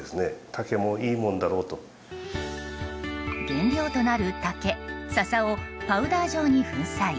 原料となる竹、笹をパウダー状に粉砕。